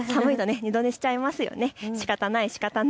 二度寝しちゃいますよね、しかたない。